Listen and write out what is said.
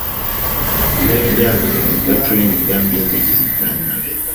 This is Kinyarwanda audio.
Iyo aryamye ni bwo acura imigambi y’ubugizi bwa nabi